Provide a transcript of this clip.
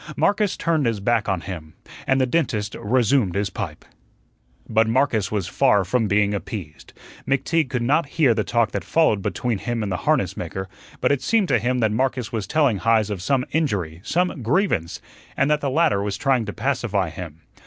Marcus turned his back on him, and the dentist resumed his pipe. But Marcus was far from being appeased. McTeague could not hear the talk that followed between him and the harnessmaker, but it seemed to him that Marcus was telling Heise of some injury, some grievance, and that the latter was trying to pacify him.